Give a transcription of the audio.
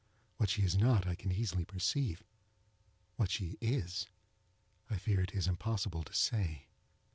What she is not, I can easily perceive—what she is I fear it is impossible to say.